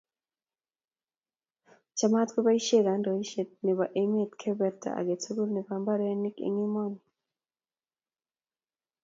chamaat koboishe kandoiseet nebo emet keberberta age tul nebo mbarenik eng emoni